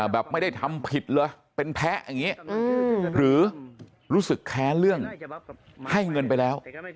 ไม่ได้ทำผิดเลยเป็นแพ้อย่างนี้หรือรู้สึกแค้นเรื่องให้เงินไปแล้ว